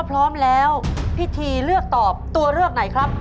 พร้อมแล้วพี่ทีเลือกตอบตัวเลือกไหนครับ